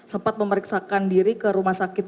sempat memeriksakan diri ke rumah sakit